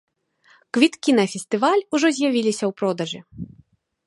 Квіткі на фестываль ужо з'явіліся ў продажы.